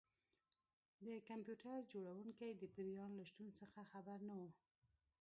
د کمپیوټر جوړونکی د پیریان له شتون څخه خبر نه و